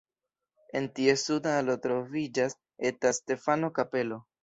En ties suda alo troviĝas eta Stefano-kapelo.